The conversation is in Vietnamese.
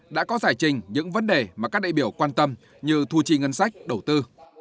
đã có giải trình những vấn đề mà các đại biểu quan tâm như thu chi ngân sách đầu tư